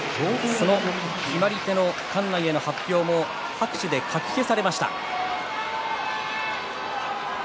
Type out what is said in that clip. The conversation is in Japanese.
その決まり手の発表も館内の拍手でかき消されました。